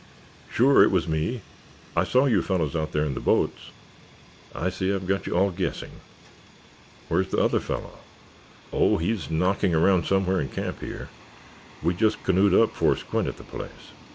"Sure it was me—I saw you fellows out there in the boats. I see I've got you all guessing." "Where's the other fellow?" "Oh, he's knocking around somewhere in camp here. We just canoed up for a squint at the place.